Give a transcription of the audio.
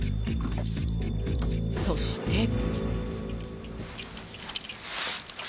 そして。